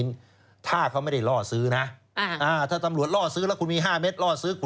ยังเพื่อเสพอยู่